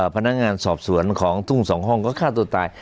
พนักงานสอบสวนของทุ่งสองห้องก็ฆ่าตัวตาย